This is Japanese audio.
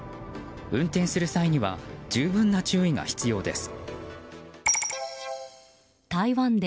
運転する際には十分な注意が必要です。